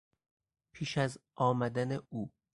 پیش از آمدن او